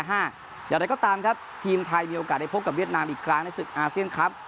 อย่างไรก็ตามครับทีมไทยมีโอกาสได้พบกับเวียดนามอีกครั้งในศึกอาเซียนครับ